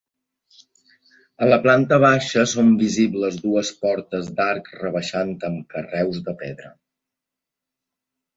A la planta baixa són visibles dues portes d'arc rebaixat amb carreus de pedra.